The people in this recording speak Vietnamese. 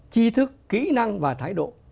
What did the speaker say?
chi thức kỹ năng và thái độ